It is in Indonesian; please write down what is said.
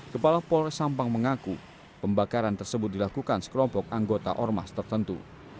kepala polres sampang mengaku pembakaran tersebut dilakukan sekelompok anggota ormas tertentu